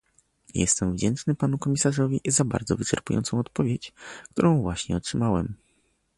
Jestem wdzięczny panu komisarzowi za bardzo wyczerpującą odpowiedź, którą właśnie otrzymałem